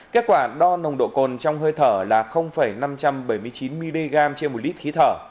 kết quả đo nồng độ cồn trong hơi thở là năm trăm bảy mươi chín mg trên một lít khí thở